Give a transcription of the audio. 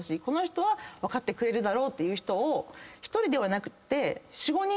この人は分かってくれるだろうっていう人を１人ではなくて。